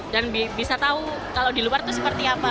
dan bisa tahu kalau di luar itu seperti apa